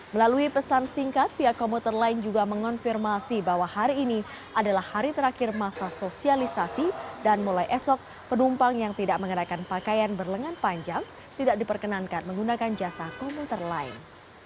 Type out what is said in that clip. melalui pesan singkat pihak komuter lain juga mengonfirmasi bahwa hari ini adalah hari terakhir masa sosialisasi dan mulai esok penumpang yang tidak mengenakan pakaian berlengan panjang tidak diperkenankan menggunakan jasa komuter lain